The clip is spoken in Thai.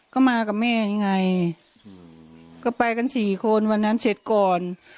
ก็มากับแม่นี่ไงก็ไปกันสี่คนวันนั้นเสร็จก่อน